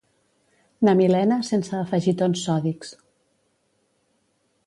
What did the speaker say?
Na Milena sense afegitons sòdics.